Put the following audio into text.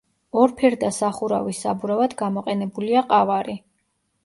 ორფერდა სახურავის საბურავად გამოყენებულია ყავარი.